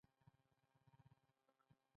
احمد ډېرې ډاکې او داړې ووهلې.